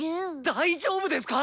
大丈夫ですか？